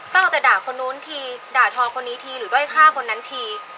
ก็แล้วแต่ด่าคนนู้นทีด่าทอคนนี้ทีหรือด้อยฆ่าคนนั้นที